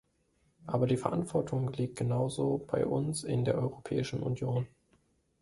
Aber die Verantwortung liegt genauso bei uns in der Europäischen Union.